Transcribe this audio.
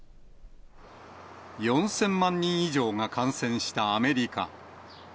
４０００万人以上が感染したアメリカ。